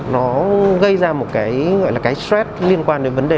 nó gây ra một cái stress liên quan đến vấn đề